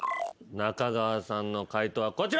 中川さんの解答はこちら。